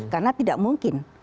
karena tidak mungkin